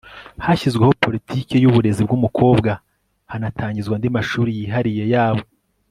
hashyizweho politike y'uburezi bw'umukobwa hanatangizwa andi mashuri yihariye yabo